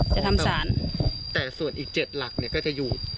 จะทำสารแต่ส่วนอีก๗หลักเนี่ยก็จะอยู่